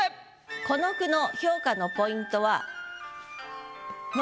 この句の評価のポイントは「の」